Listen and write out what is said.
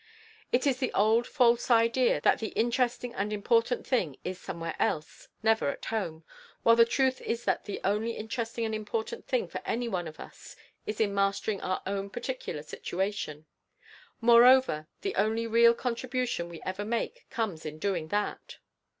It is the old false idea that the interesting and important thing is somewhere else never at home while the truth is that the only interesting and important thing for any one of us is in mastering our own particular situation, moreover, the only real contribution we ever make comes in doing that.